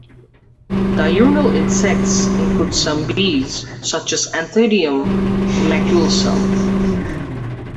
Diurnal insects include some bees, such as Anthidium maculosum.